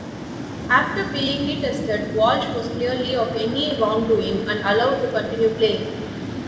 After being retested, Walsh was cleared of any wrongdoing and allowed to continue playing.